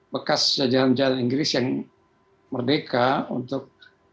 bekas jajanan jajanan inggris yang merdeka untuk